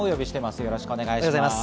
よろしくお願いします。